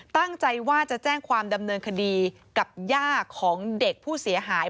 ตั้งใจว่าจะแจ้งความดำเนินคดีกับย่าของเด็กผู้เสียหาย